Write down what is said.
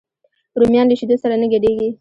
رومیان له شیدو سره نه ګډېږي